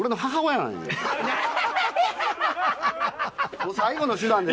もう最後の手段で。